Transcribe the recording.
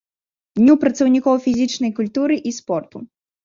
Дню працаўнікоў фізічнай культуры і спорту.